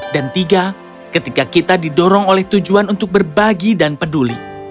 tiga ketika kita didorong oleh tujuan untuk berbagi dan peduli